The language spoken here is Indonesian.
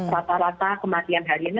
rata rata kematian hariannya